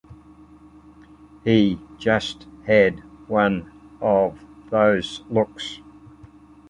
He just had one of those looks.